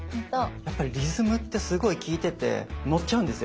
やっぱりリズムってすごい聞いててのっちゃうんですよ